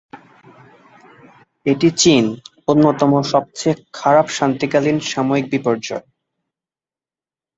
এটি চীন অন্যতম সবচেয়ে খারাপ শান্তিকালীন সামরিক বিপর্যয়।